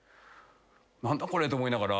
何だこれと思いながら。